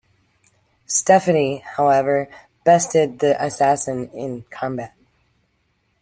Stephanie, however, bested the assassin in combat.